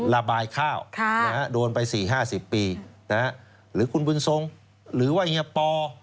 ระบายข้าวโดนไป๔๕๐ปีหรือคุณบุญทรงหรือว่าเฮียปอ